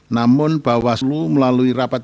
namun bapak selu melalui rapat